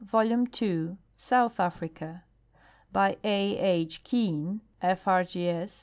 Volume II, South A frica. By A. H. Keane, F. R. G. S.